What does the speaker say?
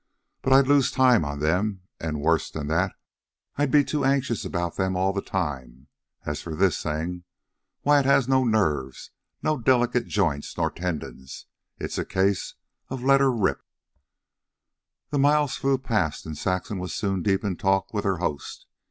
But I'd lose time on them, and, worse than that, I'd be too anxious about them all the time. As for this thing, why, it has no nerves, no delicate joints nor tendons; it's a case of let her rip." The miles flew past and Saxon was soon deep in talk with her host.